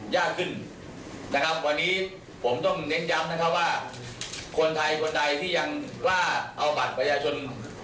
วันนี้ผมต้องเน้นย้ำว่าคนไทยคนไทยที่ยังกล้าเอาบัตรประชาชน